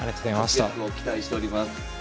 活躍を期待しております。